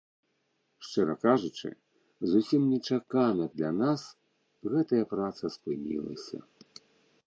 Шчыра кажучы, зусім нечакана для нас гэтая праца спынілася.